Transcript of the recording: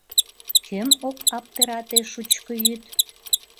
Кӧм ок аптырате шучко йӱд?